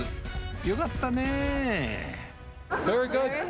よかったね。